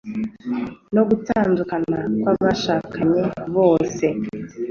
no gutandukana kw abashakanye bose